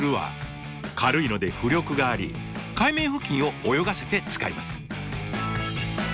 軽いので浮力があり海面付近を泳がせて使います。